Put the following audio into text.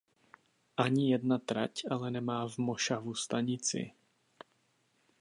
Ani jedna trať ale nemá v mošavu stanici.